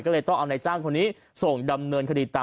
ก็เลยต้องเอานายจ้างคนนี้ส่งดำเนินคดีตาม